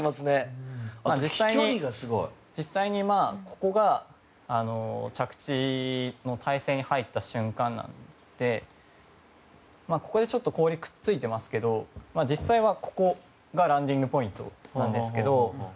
実際に、ここが着地の体勢に入った瞬間なのでここでちょっと氷くっついていますけど実際は、ここがランディングポイントですけど。